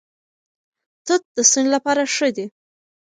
توت د ستوني لپاره ښه دي.